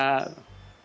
atau dari jari